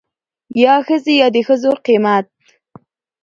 يا ښځې يا دښځو قيمت.